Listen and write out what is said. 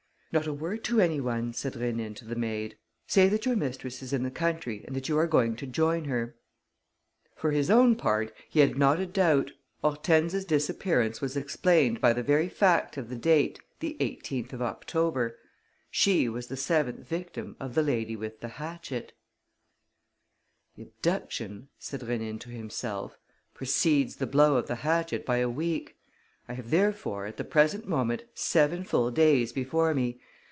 "Not a word to any one," said Rénine to the maid. "Say that your mistress is in the country and that you are going to join her." For his own part, he had not a doubt: Hortense's disappearance was explained by the very fact of the date, the 18th of October. She was the seventh victim of the lady with the hatchet. "The abduction," said Rénine to himself, "precedes the blow of the hatchet by a week. I have, therefore, at the present moment, seven full days before me.